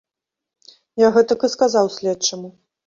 Я гэтак і сказаў следчаму.